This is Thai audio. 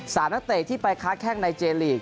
สามนักเตะที่ไปค้าแค่งในเจนลีก